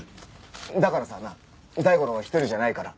だからさなあ大五郎は一人じゃないから。